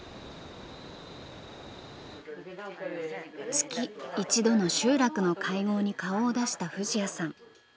月一度の集落の会合に顔を出した藤彌さん。